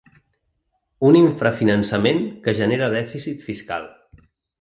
Un infrafinançament que genera dèficit fiscal.